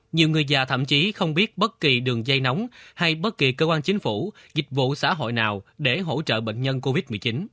nhiều người già thậm chí không biết bất kỳ đường dây nóng hay bất kỳ cơ quan chính phủ dịch vụ xã hội nào để hỗ trợ bệnh nhân covid một mươi chín